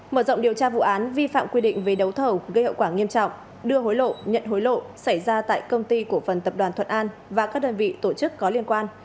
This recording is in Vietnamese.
mở rộng điều tra vụ án vi phạm quy định về đấu thầu gây hậu quả nghiêm trọng đưa hối lộ nhận hối lộ xảy ra tại công ty cổ phần tập đoàn thuận an và các đơn vị tổ chức có liên quan